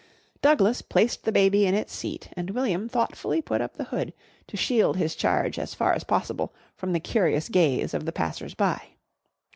Douglas placed the baby in its seat and William thoughtfully put up the hood to shield his charge as far as possible from the curious gaze of the passers by.